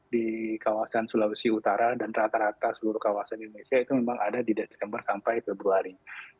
di kawasan sulawesi utara dan rata rata seluruh kawasan indonesia itu memang ada di desember sampai februari